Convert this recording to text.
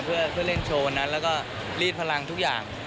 เพื่อเล่นโชว์วันนั้นแล้วก็รีดพลังทุกอย่าง